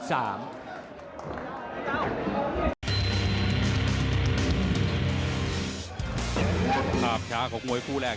ภาพช้าของมวยคู่แรก